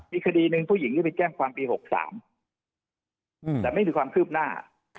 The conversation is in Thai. มีขดีหนึ่งคุณผู้หญิงที่ไปแจ้งปี๖คือ๓แต่ไม่มีความคืบหน้า